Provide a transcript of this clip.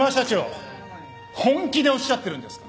本気でおっしゃってるんですか？